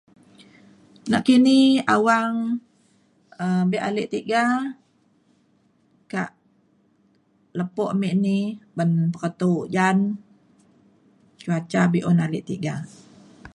nakini awang um be ale tiga kak lepo me ni ban peketo ujan cuaca be’un ale tiga.